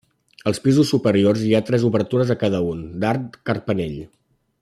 Als pisos superiors hi ha tres obertures a cada un, d'arc carpanell.